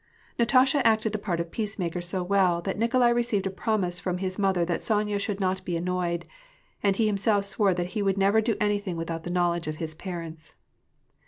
Natasha acted the part of peacemaker so well, that Nikolai received a promise from his mother that Sonya should not be annoyed ; and he himself swore that he would never do any thing without the knowledge of his parents.